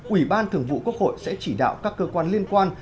ủy ban thường vụ quốc hội sẽ chỉ đạo các cơ quan liên quan